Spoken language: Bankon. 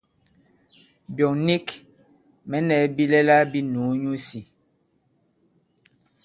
Byɔ̂ŋ nik mɛ̌ nɛ̄ bilɛla bī nùu nyu isī.